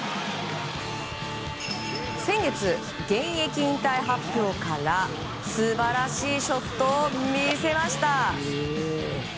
先月、現役引退発表から素晴らしいショットを見せました。